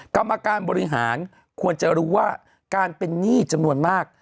กรรมการบริหารควรจะรู้ว่าการเป็นหนี้จำนวนมาก